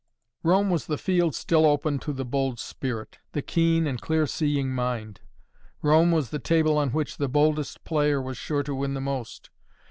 Rome was the field still open to the bold spirit, the keen and clear seeing mind. Rome was the table on which the boldest player was sure to win the most.